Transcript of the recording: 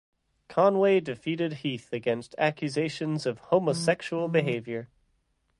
Conway defended Heath against accusations of homosexual behaviour.